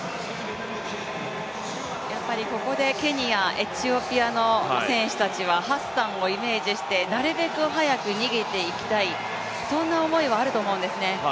ここでケニア、エチオピアの選手たちはハッサンをイメージしてなるべくはやく逃げていきたい、そんな思いはあると思うんですね。